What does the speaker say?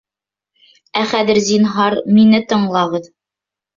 Ә хәҙер, зинһар, мине тыңлағыҙ!